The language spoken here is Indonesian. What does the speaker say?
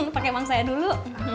pakai mangsa ya dulu